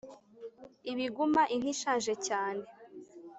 ibuguma inka ishaje cyane